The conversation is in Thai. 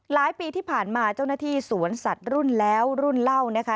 ปีที่ผ่านมาเจ้าหน้าที่สวนสัตว์รุ่นแล้วรุ่นเล่านะคะ